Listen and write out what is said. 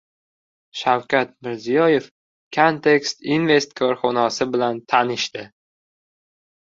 Shavkat Mirziyoyev «Kanteks invest» korxonasi bilan tanishdi